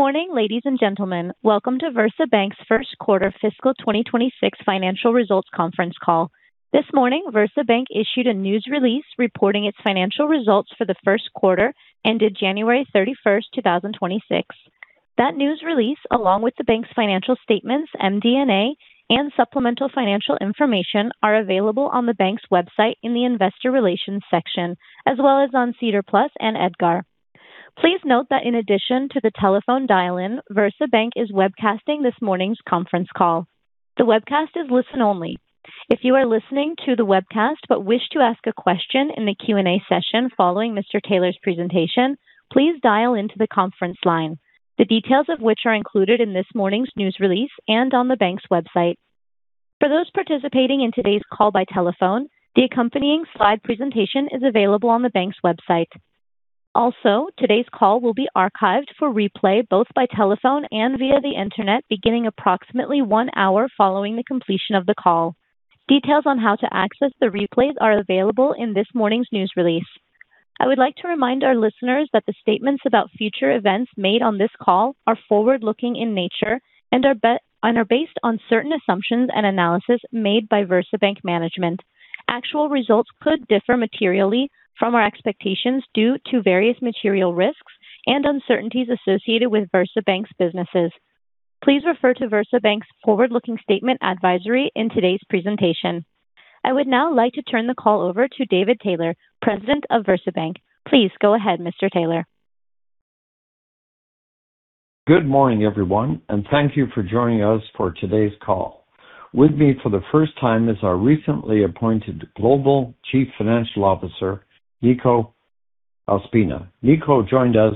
Morning, ladies and gentlemen. Welcome to VersaBank's first quarter fiscal 2026 financial results conference call. This morning, VersaBank issued a news release reporting its financial results for the first quarter ended January 31st, 2026. That news release, along with the bank's financial statements, MD&A and supplemental financial information, are available on the bank's website in the Investor Relations section, as well as on SEDAR+ and EDGAR. Please note that in addition to the telephone dial-in, VersaBank is webcasting this morning's conference call. The webcast is listen only. If you are listening to the webcast but wish to ask a question in the Q&A session following Mr. Taylor's presentation, please dial into the conference line, the details of which are included in this morning's news release and on the bank's website. For those participating in today's call by telephone, the accompanying slide presentation is available on the bank's website. Today's call will be archived for replay both by telephone and via the Internet beginning approximately one hour following the completion of the call. Details on how to access the replays are available in this morning's news release. I would like to remind our listeners that the statements about future events made on this call are forward-looking in nature and are based on certain assumptions and analysis made by VersaBank management. Actual results could differ materially from our expectations due to various material risks and uncertainties associated with VersaBank's businesses. Please refer to VersaBank's forward-looking statement advisory in today's presentation. I would now like to turn the call over to David Taylor, president of VersaBank. Please go ahead, Mr. Taylor. Good morning, everyone, thank you for joining us for today's call. With me for the first time is our recently appointed Global Chief Financial Officer, Nico Ospina. Nico joined us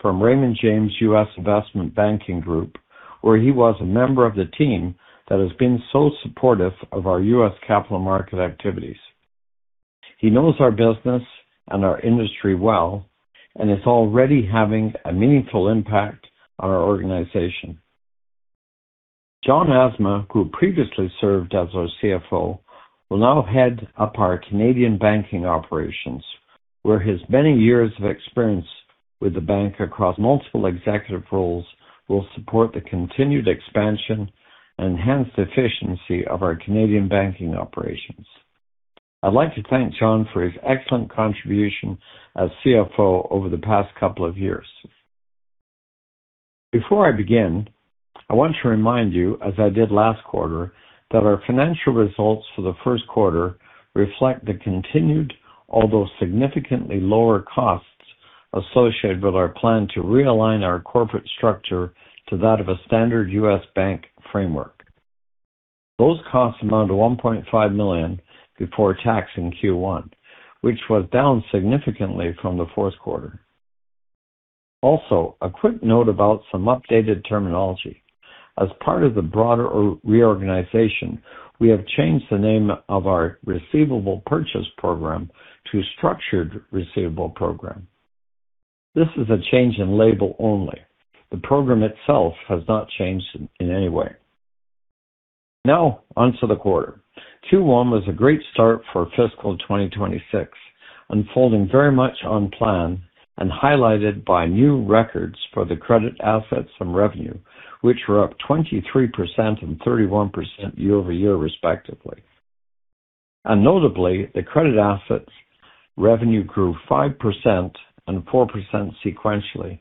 from Raymond James U.S. Investment Banking Group, where he was a member of the team that has been so supportive of our U.S. capital market activities. He knows our business and our industry well and is already having a meaningful impact on our organization. John Asma, who previously served as our CFO, will now head up our Canadian banking operations, where his many years of experience with the bank across multiple executive roles will support the continued expansion and enhanced efficiency of our Canadian banking operations. I'd like to thank John for his excellent contribution as CFO over the past couple of years. Before I begin, I want to remind you, as I did last quarter, that our financial results for the first quarter reflect the continued, although significantly lower costs associated with our plan to realign our corporate structure to that of a standard U.S. bank framework. Those costs amount to $1.5 million before tax in Q1, which was down significantly from the fourth quarter. A quick note about some updated terminology. As part of the broader reorganization, we have changed the name of our Receivable Purchase Program to Structured Receivable Program. This is a change in label only. The program itself has not changed in any way. On to the quarter. Q1 was a great start for fiscal 2026, unfolding very much on plan and highlighted by new records for the credit assets and revenue, which were up 23% and 31% year-over-year, respectively. Notably, the credit assets revenue grew 5% and 4% sequentially,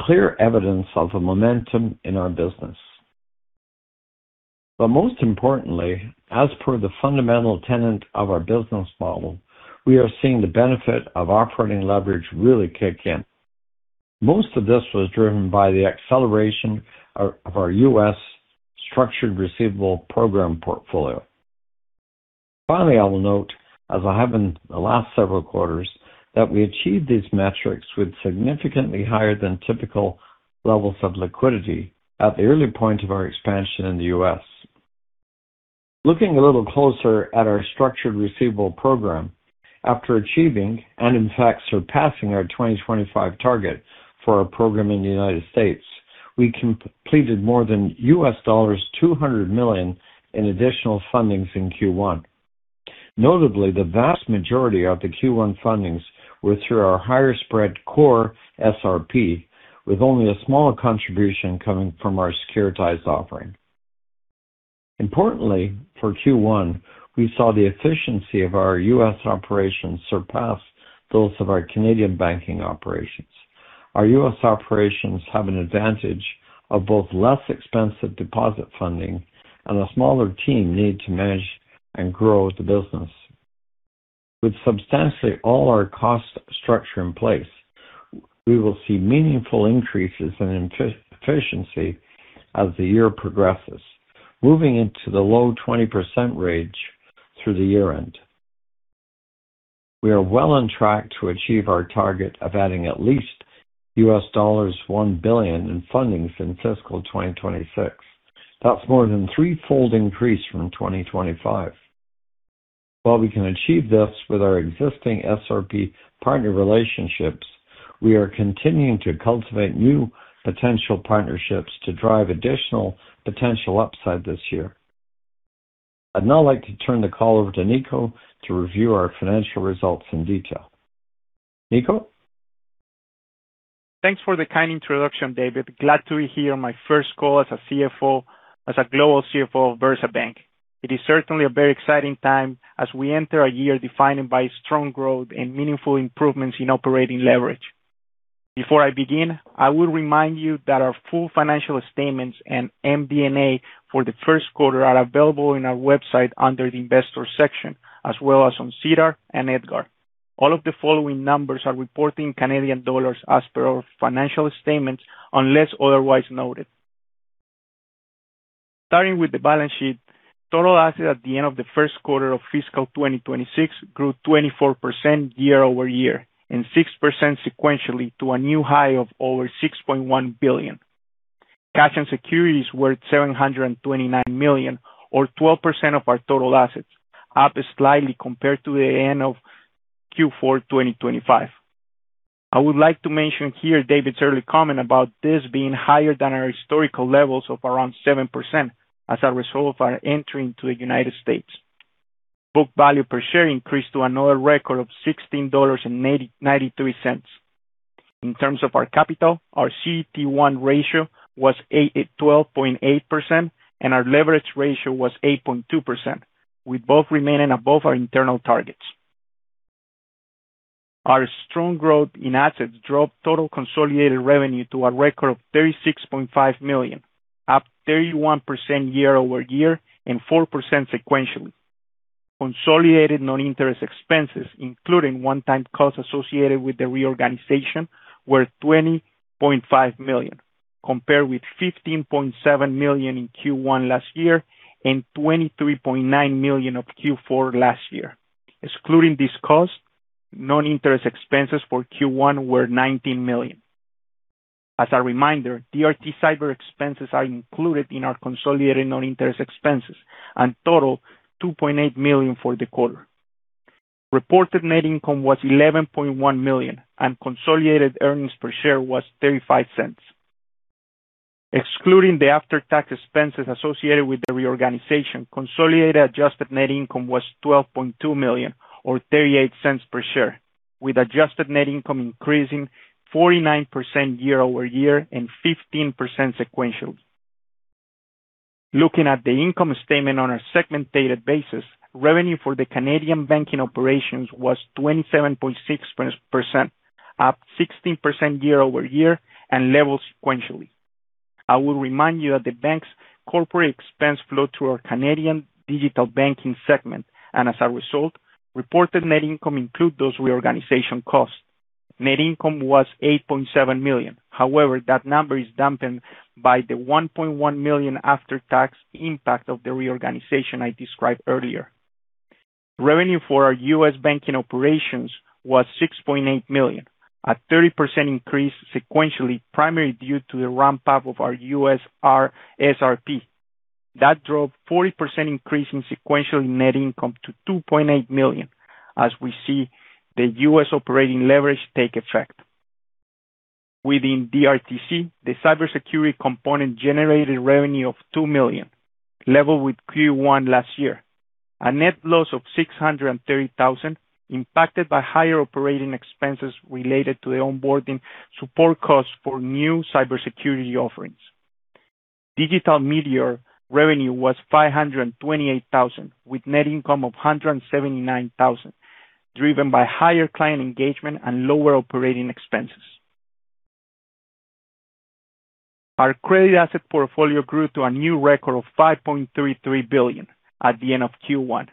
clear evidence of a momentum in our business. Most importantly, as per the fundamental tenet of our business model, we are seeing the benefit of operating leverage really kick in. Most of this was driven by the acceleration of our US Structured Receivable Program portfolio. Finally, I will note, as I have in the last several quarters, that we achieved these metrics with significantly higher than typical levels of liquidity at the early point of our expansion in the U.S. Looking a little closer at our Structured Receivable Program, after achieving and in fact surpassing our 2025 target for our program in the United States, we completed more than $200 million in additional fundings in Q1. Notably, the vast majority of the Q1 fundings were through our higher spread core SRP, with only a smaller contribution coming from our securitized offering. Importantly, for Q1, we saw the efficiency of our U.S. operations surpass those of our Canadian banking operations. Our U.S. operations have an advantage of both less expensive deposit funding and a smaller team need to manage and grow the business. With substantially all our cost structure in place, we will see meaningful increases in efficiency as the year progresses, moving into the low 20% range through the year-end. We are well on track to achieve our target of adding at least $1 billion in fundings in fiscal 2026. That's more than threefold increase from 2025. While we can achieve this with our existing SRP partner relationships, we are continuing to cultivate new potential partnerships to drive additional potential upside this year. I'd now like to turn the call over to Nico to review our financial results in detail. Nico? Thanks for the kind introduction, David. Glad to be here on my first call as a Global CFO of VersaBank. It is certainly a very exciting time as we enter a year defined by strong growth and meaningful improvements in operating leverage. Before I begin, I will remind you that our full financial statements and MD&A for the first quarter are available in our website under the investor section, as well as on SEDAR and EDGAR. All of the following numbers are reported in Canadian dollars as per our financial statements, unless otherwise noted. Starting with the balance sheet, total assets at the end of the first quarter of fiscal 2026 grew 24% year-over-year, and 6% sequentially to a new high of over 6.1 billion. Cash and securities were at 729 million, or 12% of our total assets, up slightly compared to the end of Q4 2025. I would like to mention here David's early comment about this being higher than our historical levels of around 7% as a result of our entry into the United States. Book value per share increased to another record of 16.93 dollars. In terms of our capital, our CET1 ratio was at 12.8%, and our leverage ratio was 8.2%. We both remaining above our internal targets. Our strong growth in assets drove total consolidated revenue to a record of 36.5 million, up 31% year-over-year and 4% sequentially. Consolidated non-interest expenses, including one-time costs associated with the reorganization, were 20.5 million, compared with 15.7 million in Q1 last year and 23.9 million of Q4 last year. Excluding this cost, non-interest expenses for Q1 were 19 million. As a reminder, DRT Cyber expenses are included in our consolidated non-interest expenses and total 2.8 million for the quarter. Reported net income was 11.1 million, and consolidated earnings per share was 0.35. Excluding the after-tax expenses associated with the reorganization, consolidated adjusted net income was 12.2 million or 0.38 per share, with adjusted net income increasing 49% year-over-year and 15% sequentially. Looking at the income statement on a segment data basis, revenue for the Canadian banking operations was 27.6%, up 16% year-over-year and level sequentially. I will remind you that the bank's corporate expense flow through our Canadian Digital Banking segment, as a result, reported net income include those reorganization costs. Net income was 8.7 million. However, that number is dampened by the 1.1 million after-tax impact of the reorganization I described earlier. Revenue for our U.S. banking operations was $6.8 million, a 30% increase sequentially, primarily due to the ramp-up of our U.S. SRP. That drove 40% increase in sequential net income to $2.8 million, as we see the U.S. operating leverage take effect. Within DRTC, the cybersecurity component generated revenue of 2 million, level with Q1 last year. A net loss of 630,000 impacted by higher operating expenses related to the onboarding support costs for new cybersecurity offerings. Digital Meteor revenue was 528,000, with net income of 179,000, driven by higher client engagement and lower operating expenses. Our credit asset portfolio grew to a new record of 5.33 billion at the end of Q1,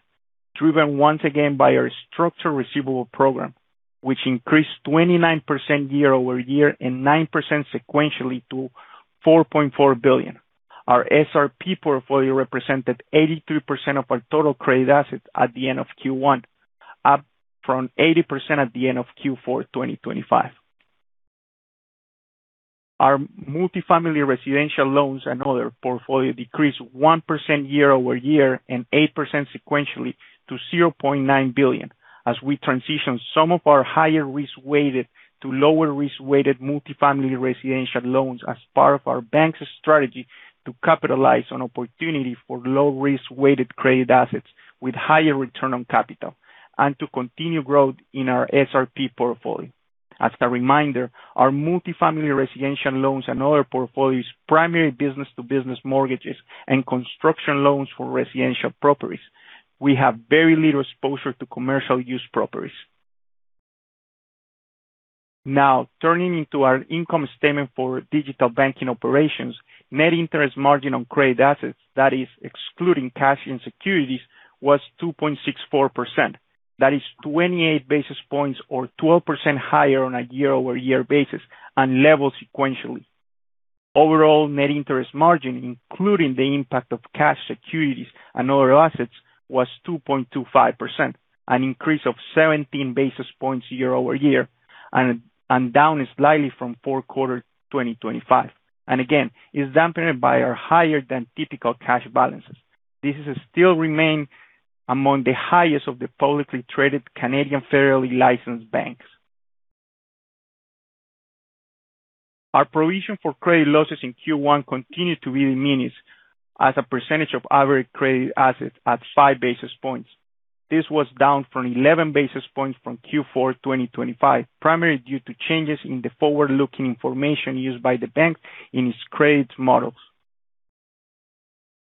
driven once again by our Structured Receivable Program, which increased 29% year-over-year and 9% sequentially to 4.4 billion. Our SRP portfolio represented 83% of our total credit assets at the end of Q1, up from 80% at the end of Q4 2025. Our multifamily residential loans and other portfolio decreased 1% year-over-year and 8% sequentially to 0.9 billion as we transition some of our higher risk-weighted to lower risk-weighted multifamily residential loans as part of our bank's strategy to capitalize on opportunity for low risk-weighted credit assets with higher return on capital and to continue growth in our SRP portfolio. As a reminder, our multifamily residential loans and other portfolio's primary business-to-business mortgages and construction loans for residential properties, we have very little exposure to commercial use properties. Turning into our income statement for digital banking operations, net interest margin on credit assets, that is excluding cash and securities, was 2.64%. That is 28 basis points or 12% higher on a year-over-year basis and level sequentially. Overall, net interest margin, including the impact of cash, securities, and other assets, was 2.25%, an increase of 17 basis points year-over-year and down slightly from fourth quarter 2025. Again, it is dampened by our higher than typical cash balances. This still remain among the highest of the publicly traded Canadian federally licensed banks. Our provision for credit losses in Q1 continued to be the meanest as a percentage of average credit assets at five basis points. This was down from 11 basis points from Q4 2025, primarily due to changes in the forward-looking information used by the bank in its credit models.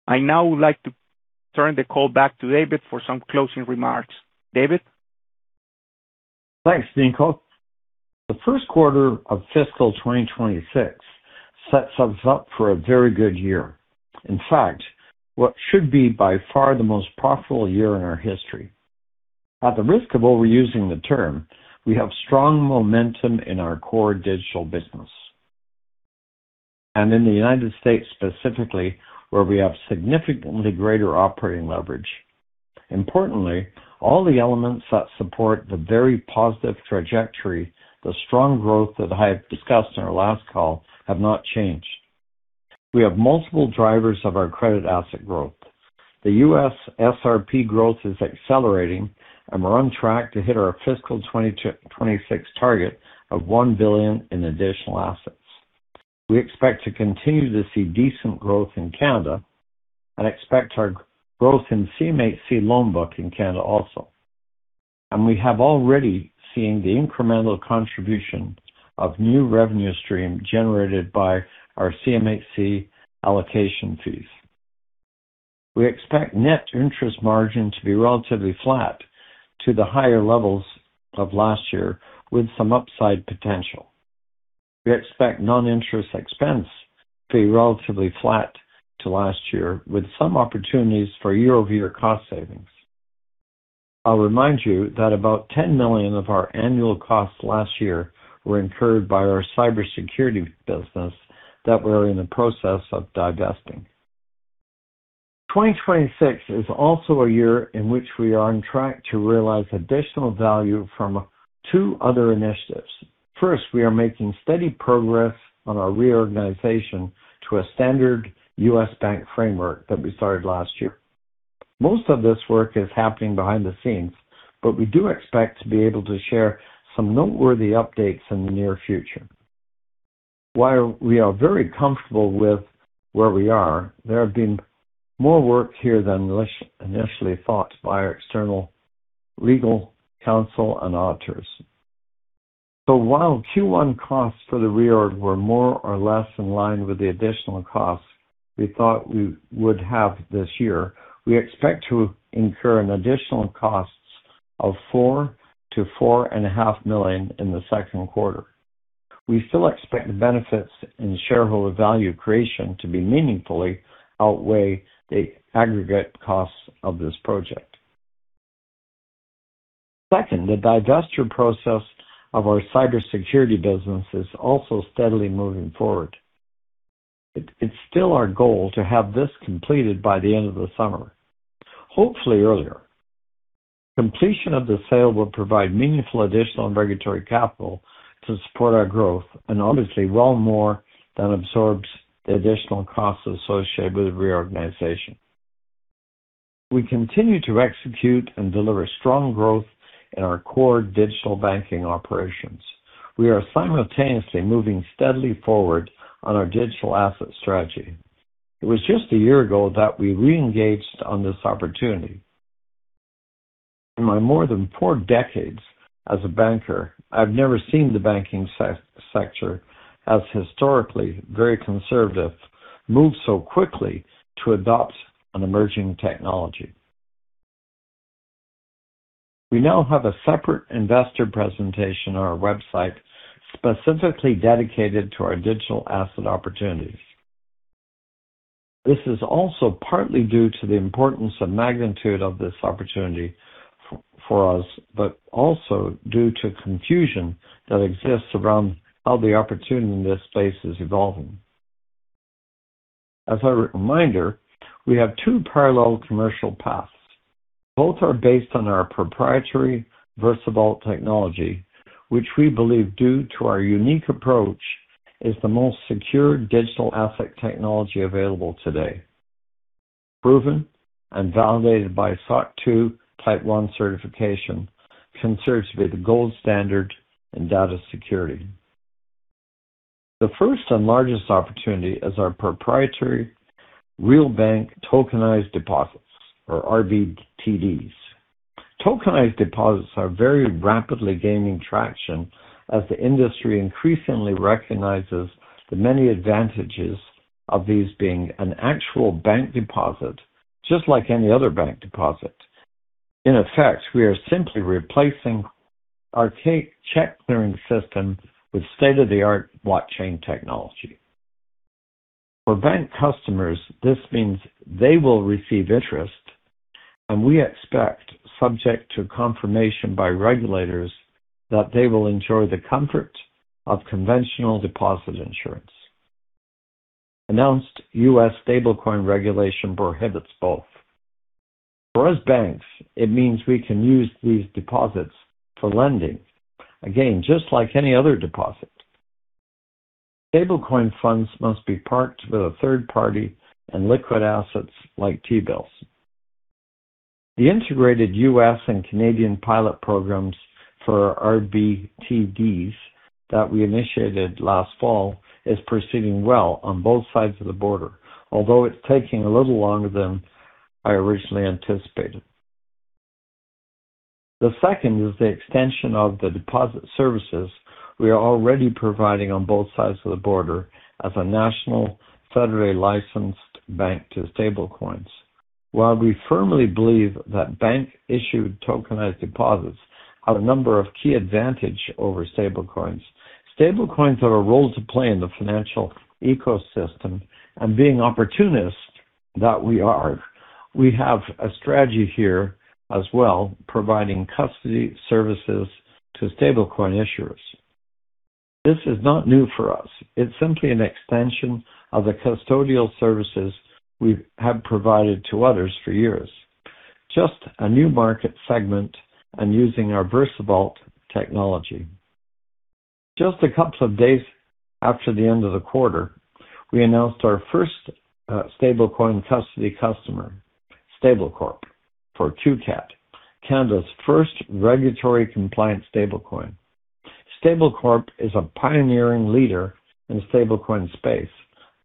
I now would like to turn the call back to David for some closing remarks. David? Thanks, Nico. The first quarter of fiscal 2026 sets us up for a very good year. In fact, what should be by far the most profitable year in our history. At the risk of overusing the term, we have strong momentum in our core digital business, and in the United States specifically, where we have significantly greater operating leverage. Importantly, all the elements that support the very positive trajectory, the strong growth that I have discussed in our last call, have not changed. We have multiple drivers of our credit asset growth. The U.S. SRP growth is accelerating, and we're on track to hit our fiscal 2026 target of 1 billion in additional assets. We expect to continue to see decent growth in Canada and expect our growth in CMHC loan book in Canada also. We have already seen the incremental contribution of new revenue stream generated by our CMHC allocation fees. We expect net interest margin to be relatively flat to the higher levels of last year with some upside potential. We expect non-interest expense to be relatively flat to last year with some opportunities for year-over-year cost savings. I'll remind you that about $10 million of our annual costs last year were incurred by our cybersecurity business that we're in the process of divesting. 2026 is also a year in which we are on track to realize additional value from two other initiatives. First, we are making steady progress on our reorganization to a standard U.S. bank framework that we started last year. Most of this work is happening behind the scenes, but we do expect to be able to share some noteworthy updates in the near future. We are very comfortable with where we are, there have been more work here than initially thought by our external legal counsel and auditors. While Q1 costs for the reorg were more or less in line with the additional costs we thought we would have this year, we expect to incur an additional costs of 4 million-4.5 million in the second quarter. We still expect the benefits in shareholder value creation to be meaningfully outweigh the aggregate costs of this project. Second, the divestiture process of our cybersecurity business is also steadily moving forward. It's still our goal to have this completed by the end of the summer, hopefully earlier. Completion of the sale will provide meaningful additional regulatory capital to support our growth and obviously well more than absorbs the additional costs associated with the reorganization. We continue to execute and deliver strong growth in our core digital banking operations. We are simultaneously moving steadily forward on our digital asset strategy. It was just a year ago that we re-engaged on this opportunity. In my more than four decades as a banker, I've never seen the banking sector as historically very conservative, move so quickly to adopt an emerging technology. We now have a separate investor presentation on our website specifically dedicated to our digital asset opportunities. This is also partly due to the importance and magnitude of this opportunity for us, but also due to confusion that exists around how the opportunity in this space is evolving. As a reminder, we have two parallel commercial paths. Both are based on our proprietary VersaVault technology, which we believe, due to our unique approach, is the most secure digital asset technology available today. Proven and validated by SOC 2 Type 1 certification, considered to be the gold standard in data security. The first and largest opportunity is our proprietary Real Bank Tokenized Deposits or RBTDs. Tokenized deposits are very rapidly gaining traction as the industry increasingly recognizes the many advantages of these being an actual bank deposit, just like any other bank deposit. In effect, we are simply replacing archaic check clearing system with state-of-the-art blockchain technology. For bank customers, this means they will receive interest, and we expect, subject to confirmation by regulators, that they will enjoy the comfort of conventional deposit insurance. Announced U.S. stablecoin regulation prohibits both. For U.S. banks, it means we can use these deposits for lending, again, just like any other deposit. Stablecoin funds must be parked with a third party and liquid assets like T-bills. The integrated U.S. and Canadian pilot programs for RBTDs that we initiated last fall is proceeding well on both sides of the border. It's taking a little longer than I originally anticipated. The second is the extension of the deposit services we are already providing on both sides of the border as a national federally licensed bank to stablecoins. We firmly believe that bank-issued tokenized deposits have a number of key advantage over stablecoins have a role to play in the financial ecosystem, being opportunist that we are, we have a strategy here as well, providing custody services to stablecoin issuers. This is not new for us. It's simply an extension of the custodial services we have provided to others for years. Just a new market segment and using our VersaVault technology. Just a couple of days after the end of the quarter, we announced our first stablecoin custody customer, Stablecorp, for QCAD, Canada's first regulatory compliant stablecoin. Stablecorp is a pioneering leader in stablecoin space,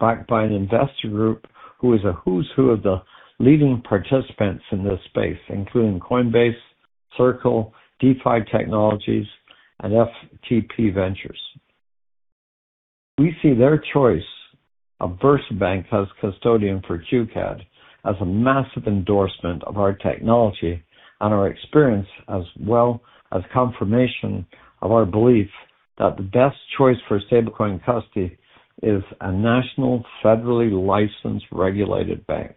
backed by an investor group who is a who's who of the leading participants in this space, including Coinbase, Circle, DeFi Technologies, and FTP Ventures. We see their choice of VersaBank as custodian for QCAD as a massive endorsement of our technology and our experience, as well as confirmation of our belief that the best choice for stablecoin custody is a national, federally licensed, regulated bank.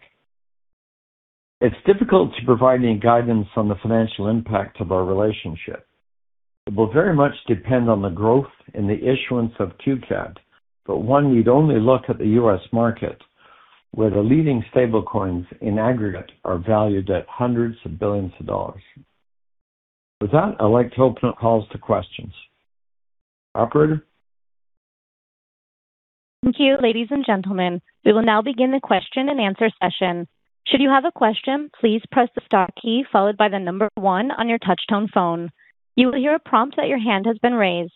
It's difficult to provide any guidance on the financial impact of our relationship. It will very much depend on the growth in the issuance of QCAD, but one, we'd only look at the U.S. market, where the leading stable coins in aggregate are valued at $ hundreds of billions. With that, I'd like to open up calls to questions. Operator. Thank you, ladies and gentlemen. We will now begin the question and answer session. Should you have a question, please press the star key followed by the number one on your touch tone phone. You will hear a prompt that your hand has been raised.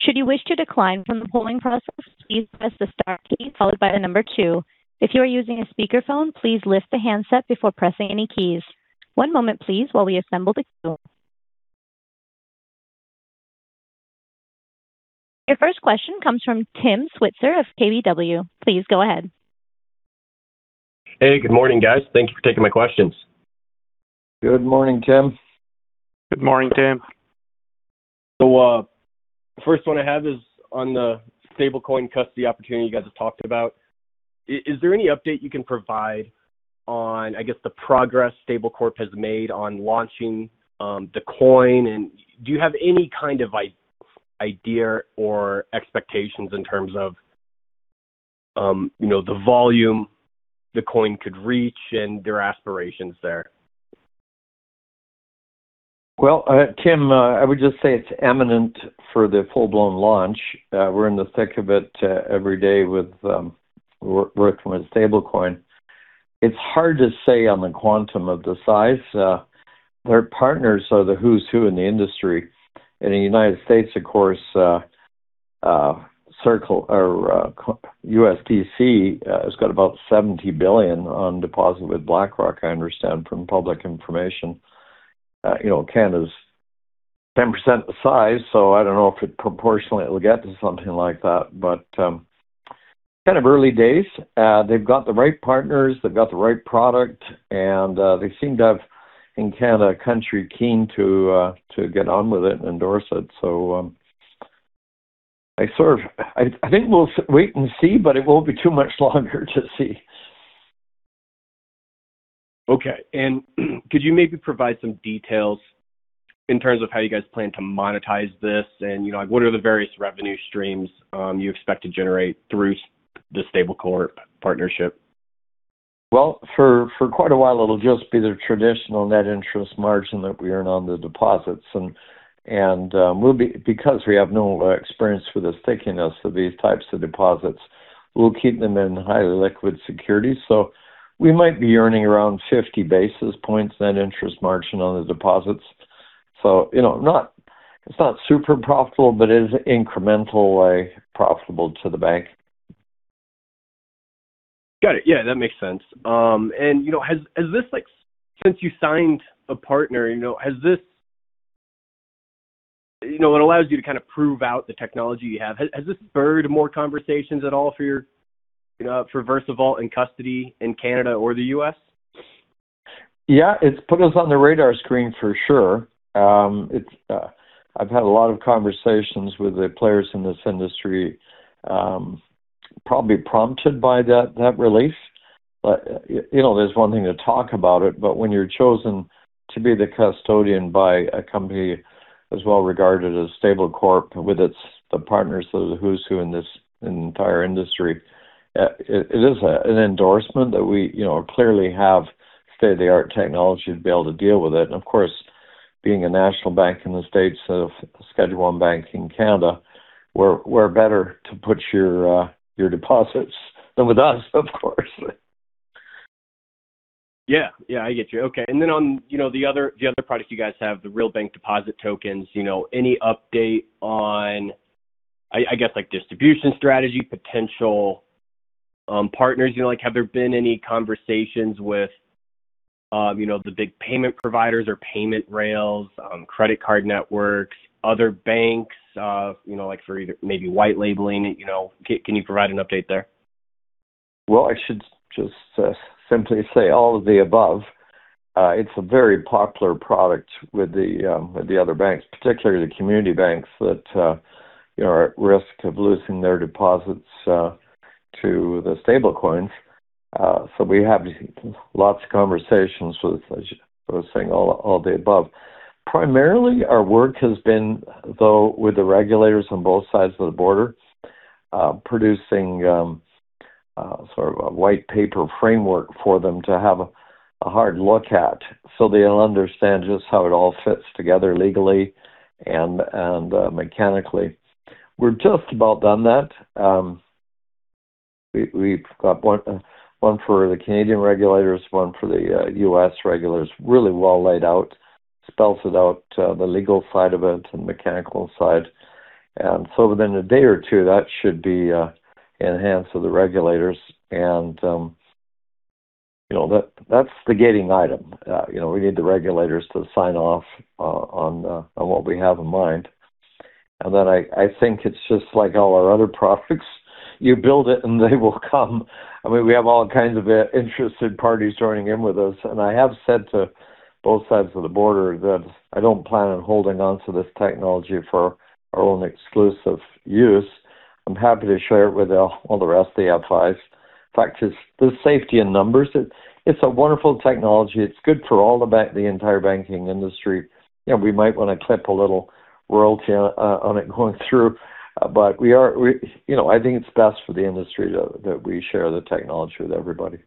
Should you wish to decline from the polling process, please press the star key followed by the number two. If you are using a speaker phone, please lift the handset before pressing any keys. One moment, please, while we assemble the queue. Your first question comes from Tim Switzer of KBW. Please go ahead. Hey, good morning, guys. Thank you for taking my questions. Good morning, Tim. Good morning, Tim. The first one I have is on the stable coin custody opportunity you guys have talked about. Is there any update you can provide on, I guess, the progress Stablecorp has made on launching, the coin? Do you have any kind of idea or expectations in terms of, you know, the volume the coin could reach and your aspirations there? Tim, I would just say it's imminent for the full-blown launch. We're in the thick of it every day with working with stablecoin. It's hard to say on the quantum of the size. Their partners are the who's who in the industry. In the United States, of course, Circle or USDC has got about $70 billion on deposit with BlackRock, I understand from public information. You know, Canada's 10% the size, I don't know if it proportionately will get to something like that. Kind of early days. They've got the right partners, they've got the right product, they seem to have, in Canada, a country keen to get on with it and endorse it. I think we'll wait and see, but it won't be too much longer to see. Okay. Could you maybe provide some details in terms of how you guys plan to monetize this and, you know, what are the various revenue streams, you expect to generate through the Stablecorp partnership? Well, for quite a while it'll just be the traditional net interest margin that we earn on the deposits. Because we have no experience with the thickness of these types of deposits, we'll keep them in highly liquid securities. We might be earning around 50 basis points net interest margin on the deposits. You know, it's not super profitable, but it is incrementally profitable to the bank. Got it. Yeah, that makes sense. You know, has this Since you signed a partner, you know, has this You know, it allows you to kind of prove out the technology you have. Has this spurred more conversations at all for your, for VersaVault and custody in Canada or the U.S.? Yeah, it's put us on the radar screen for sure. I've had a lot of conversations with the players in this industry, probably prompted by that release. You know, there's one thing to talk about it, but when you're chosen to be the custodian by a company as well-regarded as Stablecorp with its partners, so the who's who in this entire industry, it is an endorsement that we, you know, clearly have state-of-the-art technology to be able to deal with it. Of course, being a national bank in the States of Schedule I bank in Canada, where better to put your deposits than with us, of course. Yeah, I get you. Okay. Then on, you know, the other products you guys have, the Real Bank deposit tokens, you know, any update on, I guess, like, distribution strategy, potential partners? You know, like, have there been any conversations with, you know, the big payment providers or payment rails, credit card networks, other banks, you know, like, for either maybe white labeling it, you know. Can you provide an update there? Well, I should just simply say all of the above. It's a very popular product with the with the other banks, particularly the community banks that, you know, are at risk of losing their deposits to the stablecoins. We have lots of conversations with, as I was saying, all the above. Primarily, our work has been though with the regulators on both sides of the border, producing sort of a white paper framework for them to have a hard look at so they'll understand just how it all fits together legally and mechanically. We're just about done that. We've got one for the Canadian regulators, one for the U.S. regulators, really well laid out, spells it out, the legal side of it and mechanical side. Within a day or two, that should be in the hands of the regulators. You know, that's the gating item. You know, we need the regulators to sign off on what we have in mind. I think it's just like all our other products. You build it, and they will come. I mean, we have all kinds of interested parties joining in with us. I have said to both sides of the border that I don't plan on holding on to this technology for our own exclusive use. I'm happy to share it with all the rest of the F5s. In fact, it's the safety in numbers. It's a wonderful technology. It's good for all the entire banking industry. You know, we might wanna clip a little royalty on it going through, but we you know, I think it's best for the industry that we share the technology with everybody.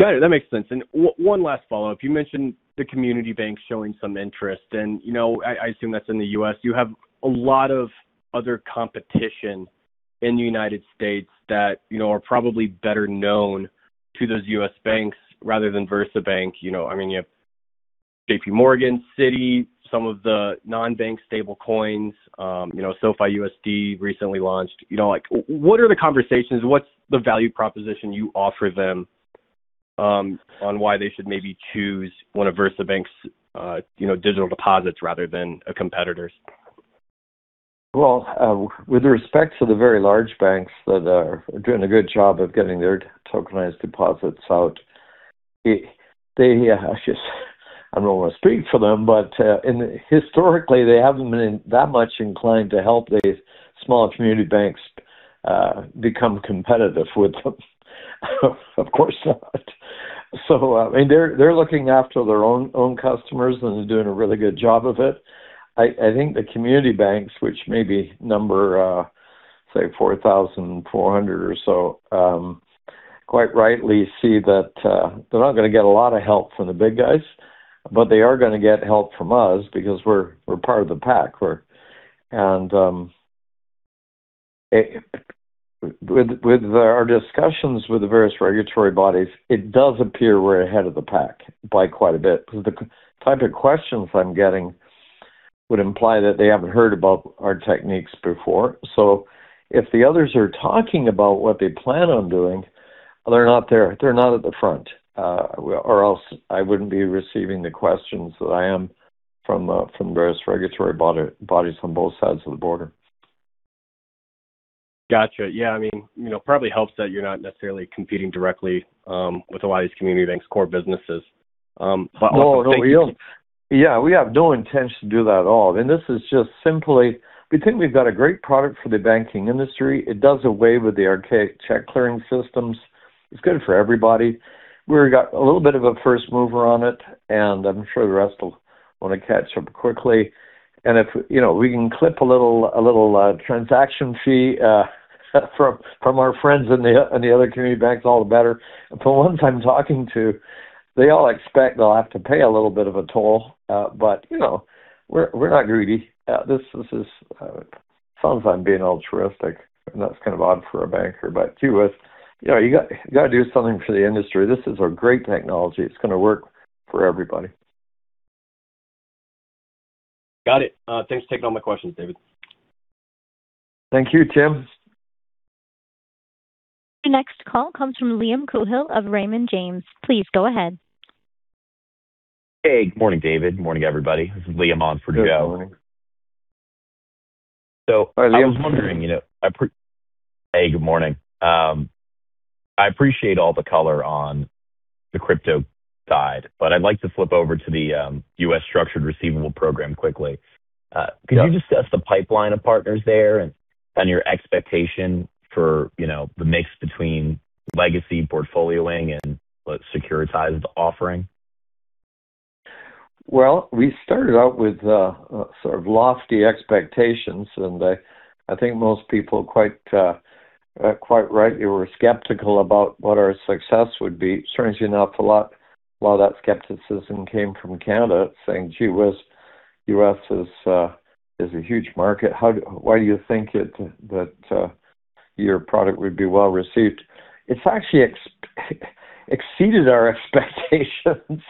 Got it. That makes sense. One last follow-up. You mentioned the community banks showing some interest. You know, I assume that's in the U.S. You have a lot of other competition in the United States that, you know, are probably better known to those U.S. banks rather than VersaBank. You know, I mean, you have JPMorgan, Citi, some of the non-bank stable coins, you know, SoFi USD recently launched. You know, like, what are the conversations? What's the value proposition you offer them on why they should maybe choose one of VersaBank's, you know, digital deposits rather than a competitor's? With respect to the very large banks that are doing a good job of getting their tokenized deposits out, I don't wanna speak for them, but historically, they haven't been that much inclined to help these small community banks become competitive with them. Of course not. I mean, they're looking after their own customers and doing a really good job of it. I think the community banks, which may be number, say 4,400 or so, quite rightly see that they're not gonna get a lot of help from the big guys, but they are gonna get help from us because we're part of the pack. With our discussions with the various regulatory bodies, it does appear we're ahead of the pack by quite a bit. The type of questions I'm getting would imply that they haven't heard about our techniques before. If the others are talking about what they plan on doing, they're not there. They're not at the front, or else I wouldn't be receiving the questions that I am from various regulatory bodies on both sides of the border. Gotcha. Yeah, I mean, you know, probably helps that you're not necessarily competing directly, with a lot of these community banks' core businesses. No, no, we don't. Yeah, we have no intention to do that at all. This is just simply. We think we've got a great product for the banking industry. It does away with the archaic check clearing systems. It's good for everybody. We got a little bit of a first mover on it, and I'm sure the rest will wanna catch up quickly. If, you know, we can clip a little, a little transaction fee from our friends in the other community banks, all the better. From the ones I'm talking to, they all expect they'll have to pay a little bit of a toll. You know, we're not greedy. This is sometimes being altruistic, and that's kind of odd for a banker. Anyways, you know, you gotta do something for the industry. This is a great technology. It's gonna work for everybody. Got it. Thanks for taking all my questions, David. Thank you, Tim. The next call comes from Liam Coohil of Raymond James. Please go ahead. Hey. Good morning, David. Good morning, everybody. This is Liam on for Joe. Good morning. I was wondering, you know Hi, Liam. Hey, good morning. I appreciate all the color on the crypto side, but I'd like to flip over to the U.S. Structured Receivable Program quickly. Yeah. Could you just set the pipeline of partners there and your expectation for, you know, the mix between legacy portfolioing and let's securitized offering? Well, we started out with sort of lofty expectations, I think most people quite right. You were skeptical about what our success would be. Strangely enough, a lot of that skepticism came from Canada saying, gee whiz, U.S. is a huge market. Why do you think it, that, your product would be well received? it's actually exceeded our expectations,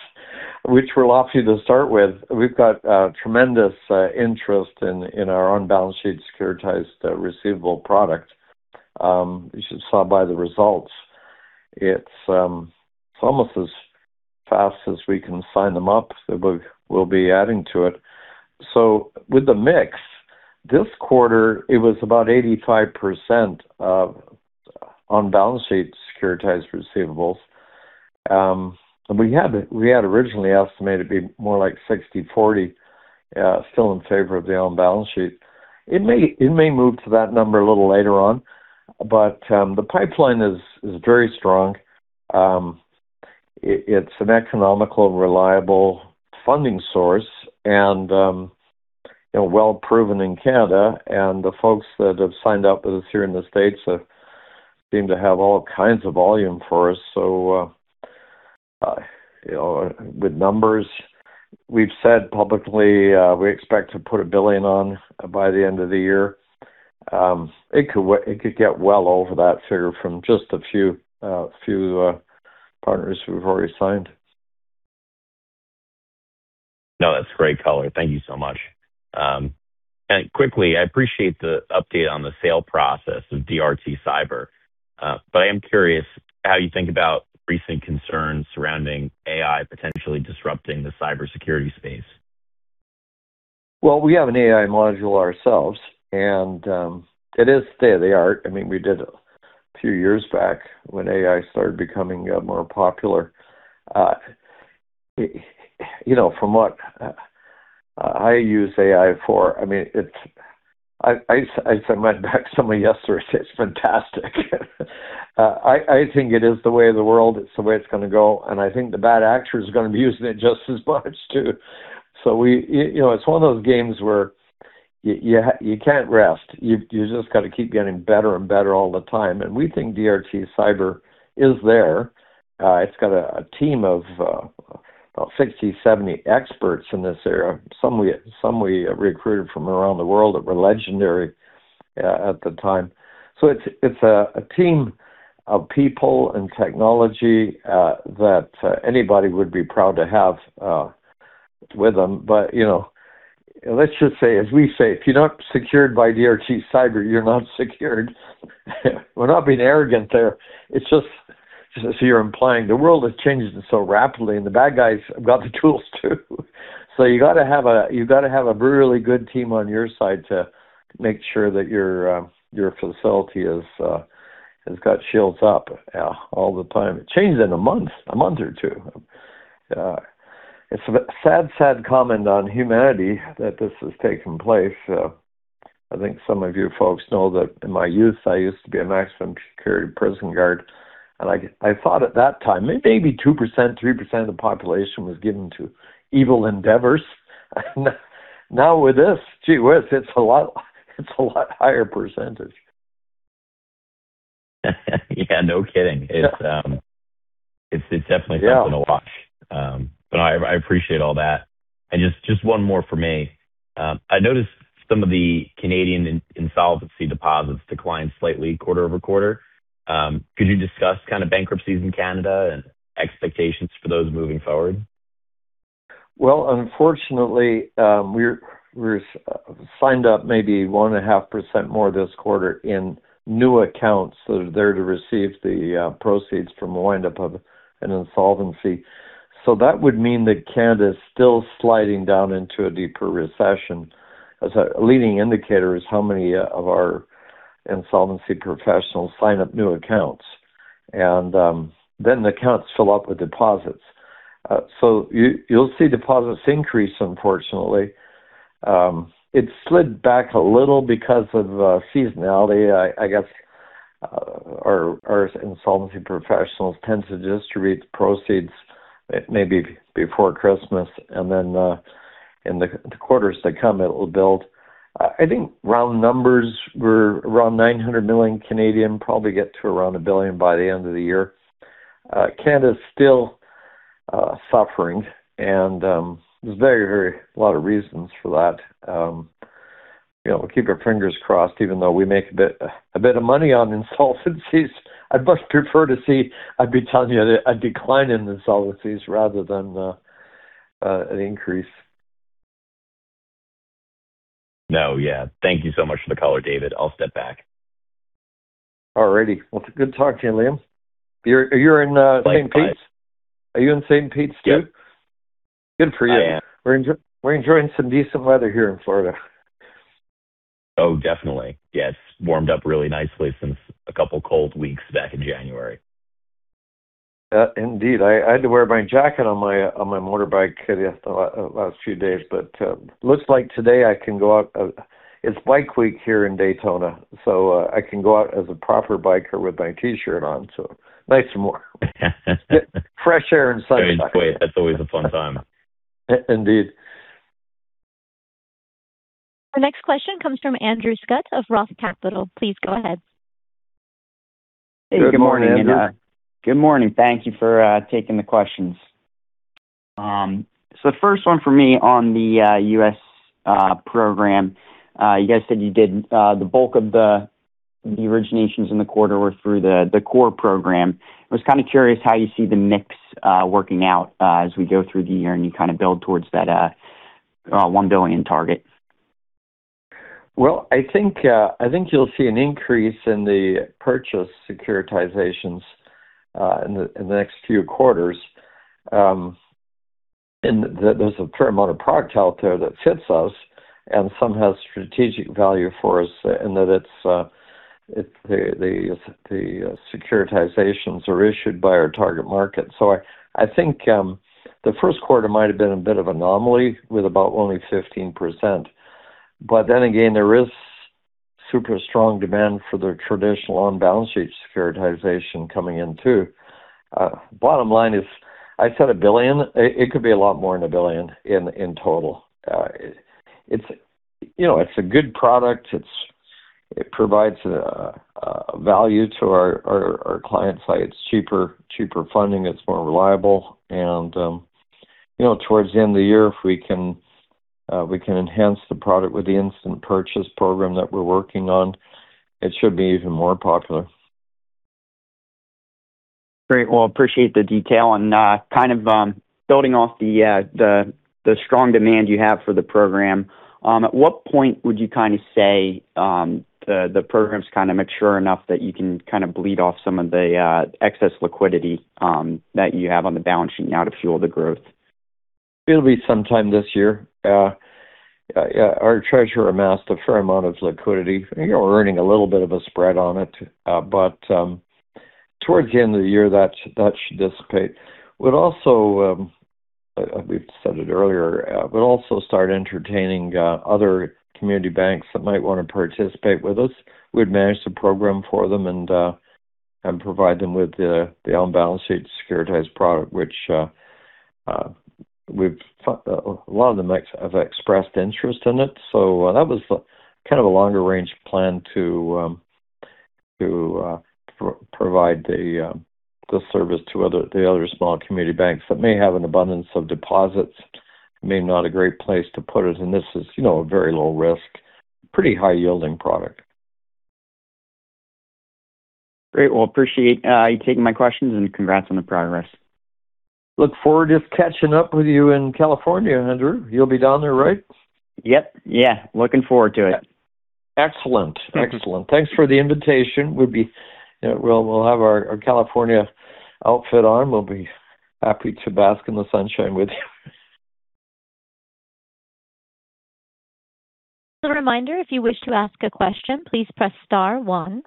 which were lofty to start with. We've got tremendous interest in our on-balance sheet securitized receivable product. As you saw by the results, it's almost as fast as we can sign them up, so we'll be adding to it. With the mix this quarter, it was about 85% of on-balance sheet securitized receivables. We had originally estimated it'd be more like 60/40 still in favor of the on-balance sheet. It may move to that number a little later on, but the pipeline is very strong. It's an economical, reliable funding source and well proven in Canada. The folks that have signed up with us here in the States seem to have all kinds of volume for us. You know, with numbers we've said publicly, we expect to put $1 billion on by the end of the year. It could get well over that figure from just a few partners we've already signed. That's great color. Thank you so much. Quickly, I appreciate the update on the sale process of DRT Cyber. I am curious how you think about recent concerns surrounding AI potentially disrupting the cybersecurity space. Well, we have an AI module ourselves, it is state-of-the-art. I mean, we did a few years back when AI started becoming more popular. You know, from what I use AI for, I mean, went back to somebody yesterday, said, it's fantastic. I think it is the way of the world. It's the way it's gonna go, I think the bad actors are gonna be using it just as much, too. You know, it's one of those games where you can't rest. You've just got to keep getting better and better all the time. We think DRT Cyber is there. It's got a team of about 60, 70 experts in this area, some we recruited from around the world that were legendary at the time. It's a team of people and technology that anybody would be proud to have with them. You know, let's just say, as we say, if you're not secured by DRT Cyber, you're not secured. We're not being arrogant there. It's just as you're implying, the world is changing so rapidly, and the bad guys have got the tools, too. You gotta have a really good team on your side to make sure that your facility has got shields up all the time. It changes in a month or two. It's a sad comment on humanity that this has taken place. I think some of you folks know that in my youth I used to be a maximum security prison guard, and I thought at that time maybe 2%, 3% of the population was given to evil endeavors. Now with this, gee whiz, it's a lot higher percentage. Yeah, no kidding. Yeah. It's definitely something to watch. I appreciate all that. Just one more for me. I noticed some of the Canadian insolvency deposits declined slightly quarter-over-quarter. Could you discuss kind of bankruptcies in Canada and expectations for those moving forward? Well, unfortunately, we're signed up maybe 1.5% more this quarter in new accounts that are there to receive the proceeds from a wind-up of an insolvency. That would mean that Canada is still sliding down into a deeper recession as a leading indicator is how many of our insolvency professionals sign up new accounts. The accounts fill up with deposits. You'll see deposits increase unfortunately. It slid back a little because of seasonality. I guess, our insolvency professionals tend to distribute the proceeds maybe before Christmas in the quarters that come, it'll build. I think round numbers were around 900 million, probably get to around 1 billion by the end of the year. Canada's still suffering and there's very, very lot of reasons for that. you know, keep our fingers crossed even though we make a bit of money on insolvencies, I'd much prefer to see, I'd be telling you a decline in insolvencies rather than an increase. Yeah. Thank you so much for the color, David. I'll step back. All righty. Well, it's good talking to you, Liam. You're in St. Pete? Likewise. Are you in St. Pete too? Yep. Good for you. I am. We're enjoying some decent weather here in Florida. Oh, definitely. Yeah. It's warmed up really nicely since a couple cold weeks back in January. Indeed. I had to wear my jacket on my motorbike here the last few days. Looks like today I can go out. It's Bike Week here in Daytona, so I can go out as a proper biker with my T-shirt on, so nice and warm. Fresh air and sunshine. Great. That's always a fun time. Indeed. The next question comes from Andrew Scutt of ROTH Capital. Please go ahead. Good morning, Andrew. Good morning. Thank you for taking the questions. The first one for me on the U.S. program. You guys said you did the bulk of the originations in the quarter were through the core program. I was kinda curious how you see the mix working out as we go through the year, and you kinda build towards that 1 billion target? Well, I think you'll see an increase in the purchase securitizations in the next few quarters. There's a fair amount of product out there that fits us, and some have strategic value for us in that it's the securitizations are issued by our target market. I think the first quarter might have been a bit of anomaly with about only 15%. Again, there is super strong demand for the traditional on-balance sheet securitization coming in too. Bottom line is, I said 1 billion. It could be a lot more than 1 billion in total. You know, it's a good product. It provides a value to our client site. It's cheaper funding. It's more reliable and, you know, towards the end of the year, if we can, we can enhance the product with the instant purchase program that we're working on, it should be even more popular. Great. Well, appreciate the detail. Kind of, building off the strong demand you have for the program, at what point would you kinda say, the program's kinda mature enough that you can kinda bleed off some of the excess liquidity that you have on the balance sheet now to fuel the growth? It'll be sometime this year. Our treasurer amassed a fair amount of liquidity. You know, we're earning a little bit of a spread on it. Towards the end of the year, that should dissipate. We'd also, we've said it earlier. We'd also start entertaining other community banks that might want to participate with us. We'd manage the program for them and provide them with the on-balance sheet securitized product, which a lot of them have expressed interest in it. That was kind of a longer range plan to provide the service to the other small community banks that may have an abundance of deposits, may not a great place to put it. This is, you know, a very low risk, pretty high yielding product. Great. Appreciate you taking my questions, and congrats on the progress. Look forward to catching up with you in California, Andrew. You'll be down there, right? Yep. Yeah. Looking forward to it. Excellent. Excellent. Thanks for the invitation. We'll have our California outfit on. We'll be happy to bask in the sunshine with you. A reminder, if you wish to ask a question, please press star one.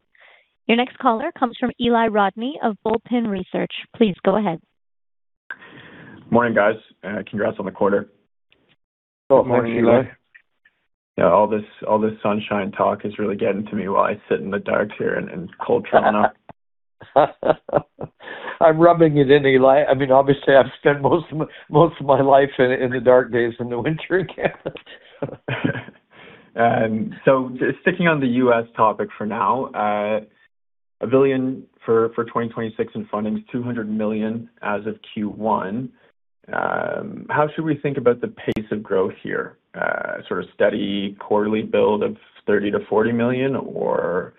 Your next caller comes from Eli Rodney of Bullpen Research. Please go ahead. Morning, guys. Congrats on the quarter. Oh, morning, Eli. Yeah, all this sunshine talk is really getting to me while I sit in the dark here and cold Toronto. I'm rubbing it in, Eli. I mean, obviously, I've spent most of my life in the dark days in the winter in Canada. Just sticking on the U.S. topic for now. A $1 billion for 2026 in fundings, $200 million as of Q1. How should we think about the pace of growth here? Sort of steady quarterly build of $30 million-$40 million or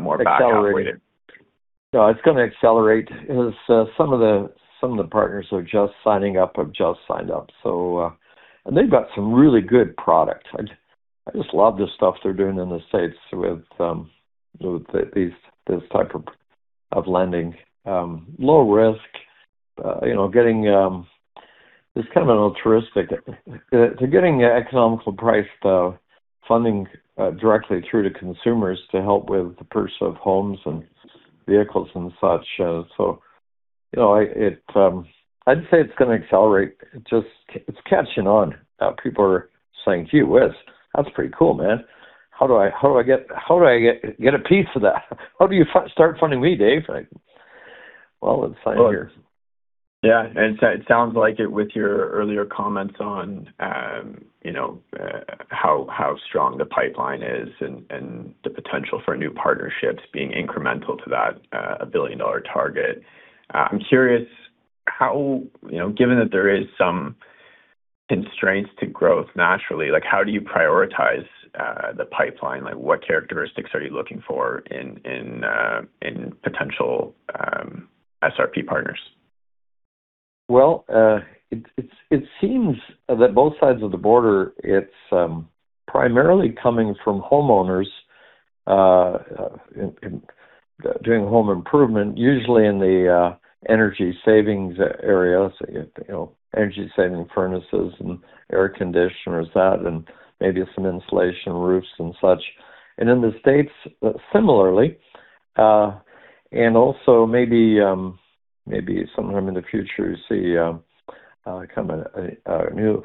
more back-end loaded? Accelerated. No, it's gonna accelerate as some of the, some of the partners who are just signing up have just signed up, so, they've got some really good product. I just love the stuff they're doing in the States with these, this type of lending. Low risk. You know, getting, it's kind of altruistic. They're getting economical priced funding directly through to consumers to help with the purchase of homes and vehicles and such. You know, I, it, I'd say it's gonna accelerate. Just it's catching on. People are saying, gee whiz, that's pretty cool, man. How do I get, how do I get a piece of that? How do you start funding me, Dave? well, let's sign here. Yeah. It sounds like it with your earlier comments on, you know, how strong the pipeline is and the potential for new partnerships being incremental to that, billion dollar target. I'm curious how, you know, given that there is some constraints to growth naturally, like, how do you prioritize, the pipeline? Like, what characteristics are you looking for in potential SRP partners? Well, it seems that both sides of the border, it's primarily coming from homeowners in doing home improvement, usually in the energy savings areas. You know, energy saving furnaces and air conditioners that and maybe some insulation roofs and such. In the States, similarly. Also maybe sometime in the future, you see a new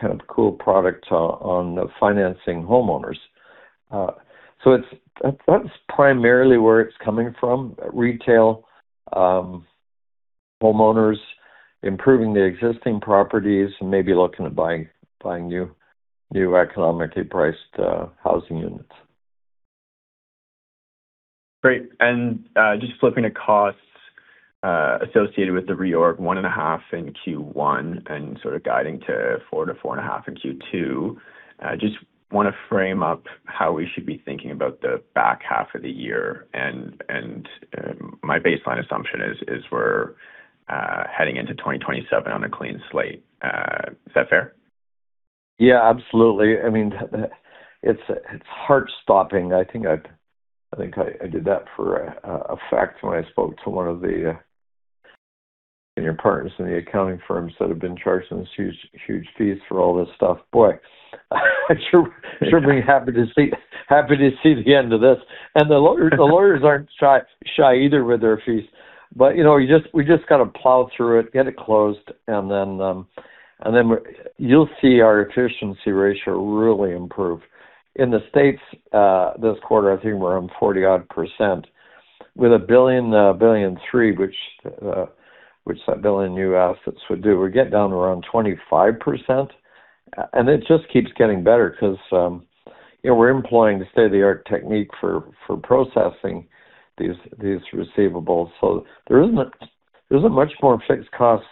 kind of cool product on financing homeowners. That's primarily where it's coming from, retail. Homeowners improving the existing properties and maybe looking at buying new economically priced housing units. Great. just flipping the costs, associated with the reorg one and a half in Q1 and sort of guiding to CAD four to four and a half in Q2. I just wanna frame up how we should be thinking about the back half of the year. My baseline assumption is we're heading into 2027 on a clean slate. Is that fair? Yeah, absolutely. I mean, it's heart-stopping. I think I did that for a fact when I spoke to one of the partners in the accounting firms that have been charging us huge fees for all this stuff. Boy, sure been happy to see the end of this. The lawyers aren't shy either with their fees. You know, we just gotta plow through it, get it closed, then you'll see our efficiency ratio really improve. In the States, this quarter, I think we're around 40%. With 1.3 billion, which that 1 billion new assets would do, we're getting down to around 25%. It just keeps getting better 'cause, you know, we're employing the state-of-the-art technique for processing these receivables. There isn't much more fixed cost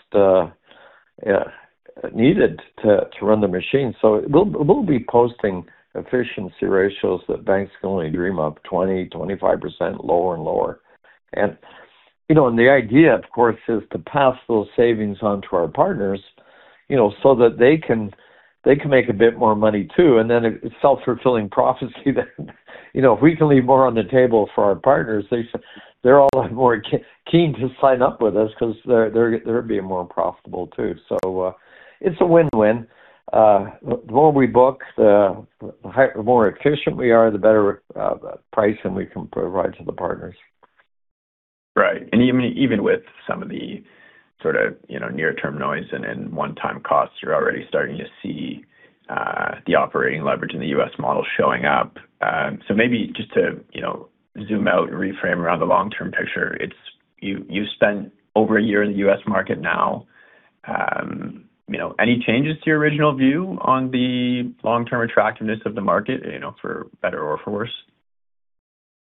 needed to run the machine. We'll be posting efficiency ratios that banks can only dream of, 20%-25%, lower and lower. You know, the idea, of course, is to pass those savings on to our partners, you know, so that they can make a bit more money too. It's a self-fulfilling prophecy that. You know, if we can leave more on the table for our partners, they're all more keen to sign up with us 'cause they're being more profitable too. It's a win-win. The more we book, the more efficient we are, the better pricing we can provide to the partners. Right. even with some of the sort of, you know, near-term noise and one-time costs, you're already starting to see the operating leverage in the U.S. model showing up. maybe just to, you know, zoom out and reframe around the long-term picture. You spent over a year in the U.S. market now. you know, any changes to your original view on the long-term attractiveness of the market, you know, for better or for worse?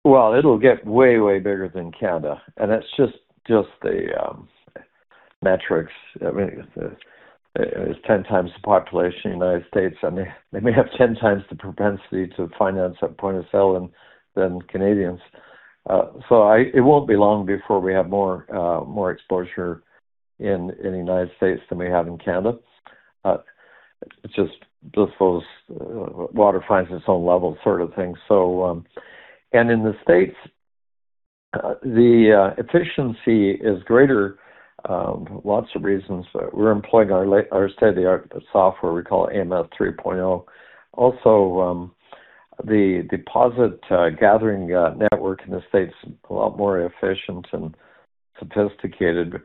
Well, it'll get way bigger than Canada, and that's just the metrics. I mean, there's 10x the population in the United States, and they may have 10x the propensity to finance at point of sale than Canadians. It won't be long before we have more exposure in the United States than we have in Canada. It's just those water finds its own level sort of thing. In the States, the efficiency is greater, lots of reasons. We're employing our state-of-the-art software we call AMS 3.0. Also, the deposit gathering network in the States is a lot more efficient and sophisticated.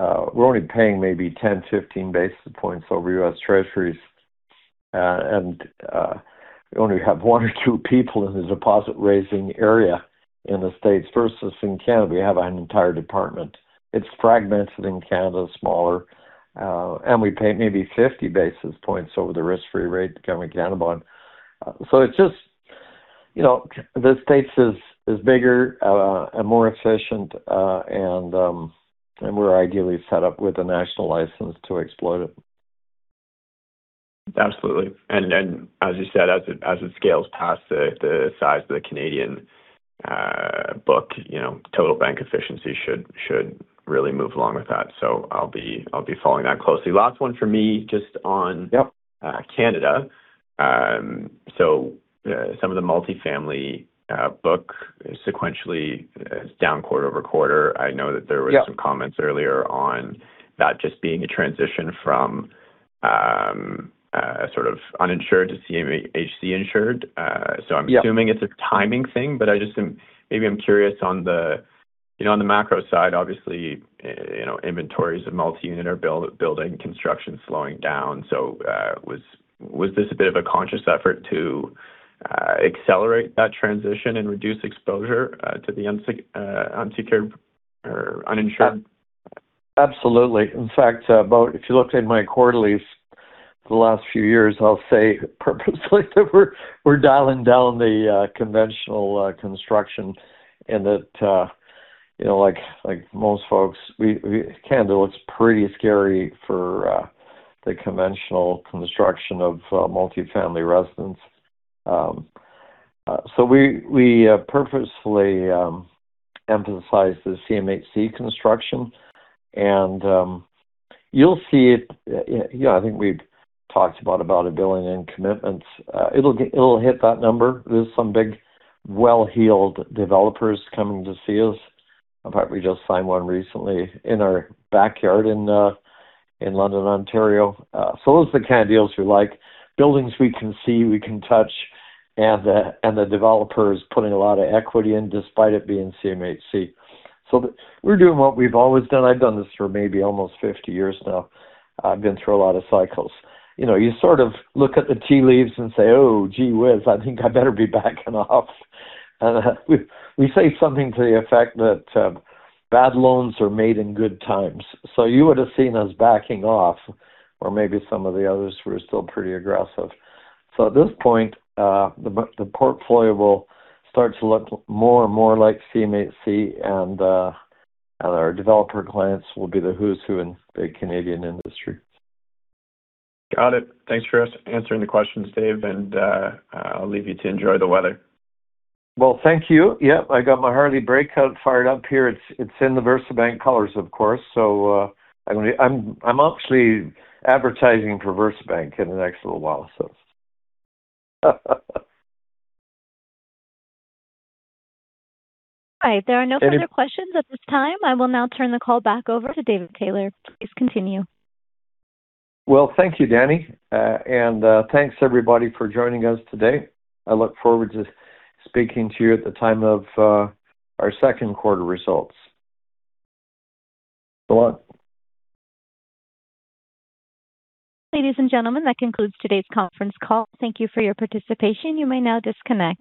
We're only paying maybe 10, 15 basis points over U.S. Treasuries. We only have one or two people in the deposit-raising area in the States versus in Canada, we have an entire department. It's fragmented in Canada, smaller, and we pay maybe 50 basis points over the risk-free rate, the Canada bond. It's just, you know, the States is bigger, and more efficient, and we're ideally set up with a national license to explode it. Absolutely. As you said, as it scales past the size of the Canadian book, you know, total bank efficiency should really move along with that. I'll be following that closely. Last one for me, just on Yep. Canada. Some of the multifamily book sequentially is down quarter-over-quarter. Yeah. Some comments earlier on that just being a transition from, sort of uninsured to CMHC insured. Yeah. Assuming it's a timing thing, but I just am. Maybe I'm curious on the. You know, on the macro side, obviously, you know, inventories of multi-unit are building, construction slowing down. Was this a bit of a conscious effort to accelerate that transition and reduce exposure to the unsecured or uninsured? Absolutely. In fact, if you looked in my quarterlies for the last few years, I'll say purposely that we're dialing down the conventional construction and that, you know, like most folks, Canada looks pretty scary for the conventional construction of multifamily residents. We purposefully emphasize the CMHC construction. I think we've talked about $1 billion in commitments. It'll hit that number. There's some big well-heeled developers coming to see us. In fact, we just signed one recently in our backyard in London, Ontario. Those are the kind of deals we like. Buildings we can see, we can touch, and the developer is putting a lot of equity in despite it being CMHC. We're doing what we've always done. I've done this for maybe almost 50 years now. I've been through a lot of cycles. You know, you sort of look at the tea leaves and say, oh, gee whiz, I think I better be backing off. We say something to the effect that bad loans are made in good times. You would have seen us backing off or maybe some of the others who are still pretty aggressive. At this point, the portfolio will start to look more and more like CMHC, and our developer clients will be the who's who in the Canadian industry. Got it. Thanks for answering the questions, Dave. I'll leave you to enjoy the weather. Well, thank you. Yeah, I got my Harley Breakout fired up here. It's in the VersaBank colors, of course, so I'm actually advertising for VersaBank in the next little while. All right. There are no further questions at this time. I will now turn the call back over to David Taylor. Please continue. Thank you, Danny, thanks everybody for joining us today. I look forward to speaking to you at the time of our second quarter results. So long. Ladies and gentlemen, that concludes today's conference call. Thank you for your participation. You may now disconnect.